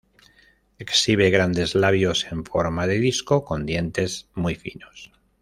Exhibe grandes labios en forma de disco con dientes muy finos.